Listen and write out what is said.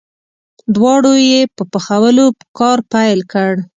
دواړو یې په پخولو کار پیل کړ.